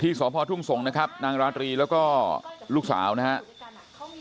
ที่สมภาทุ่งสงที่ห้อมตะวิทยาหรอกมันมีแผลผึ้นจอบเป็นแบบหน้าและตาริยังไปขึ้นใหม่